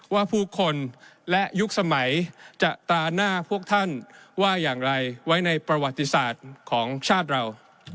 ว่าอย่างไรไว้ในประวัติศาสตร์ของชาติเรา